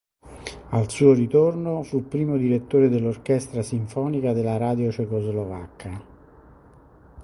Al suo ritorno fu primo direttore dell'Orchestra Sinfonica della Radio Cecoslovacca.